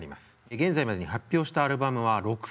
現在までに発表したアルバムは６作。